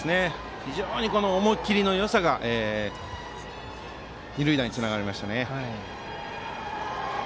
非常に思い切りのよさが二塁打につながりました。